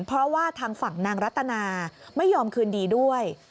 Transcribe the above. เพราะว่าทางฝั่งนางรัตนาไม่ยอมคืนดีด้วย